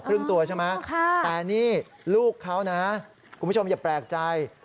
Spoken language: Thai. ครึ่งตัวใช่ไหมแต่นี่ลูกเขานะคุณผู้ชมอย่าแปลกใจ